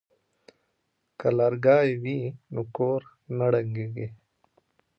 که لرګی وي نو کور نه نړیږي.